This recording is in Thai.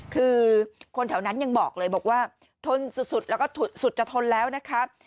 คือคนแถวนั้นยังบอกเลยบอกว่าทนสุดแล้วก็สุดจะทนแล้วนะครับ